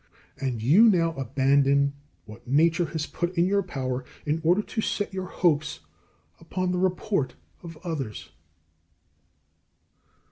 And you now abandon what nature has put in your power in order to set your hopes upon the report of others.